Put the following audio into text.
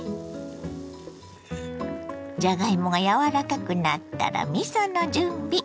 じゃがいもが柔らかくなったらみその準備。